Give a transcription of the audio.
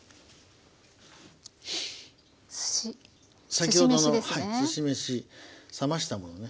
先ほどのすし飯冷ましたものね。